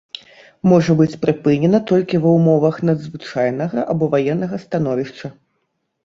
Можа быць прыпынена толькі ва ўмовах надзвычайнага або ваеннага становішча.